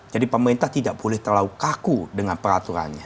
jadi pemerintah tidak boleh terlalu kaku dengan peraturannya